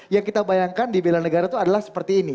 yang kita bayangkan di bela negara itu adalah seperti ini